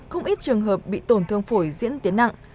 không ít trường hợp bị tổn thương phổi diễn tiến nặng